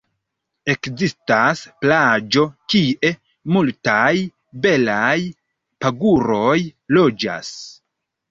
Ekzistas plaĝo kie multaj belaj paguroj loĝas.